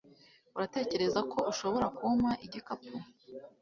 Uratekereza ko ushobora kumpa igikapu?